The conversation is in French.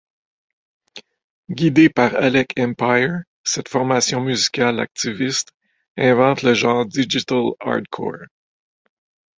Guidée par Alec Empire, cette formation musicale activiste invente le genre digital hardcore.